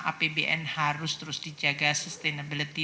apbn harus terus dijaga sustainability